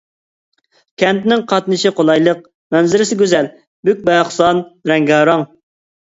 كەنتنىڭ قاتنىشى قولايلىق، مەنزىرىسى گۈزەل، بۈك-باراقسان، رەڭگارەڭ.